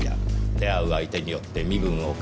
出会う相手によって身分を変える。